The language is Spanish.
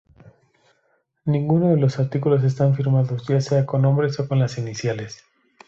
Ninguno de los artículos están firmados ya sea con nombres o con las iniciales.